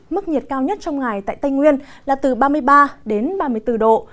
mức nhiệt cao nhất trong ngày tại tây nguyên là từ ba mươi ba đến ba mươi bốn độ